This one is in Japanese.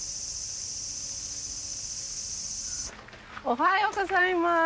おはようございます。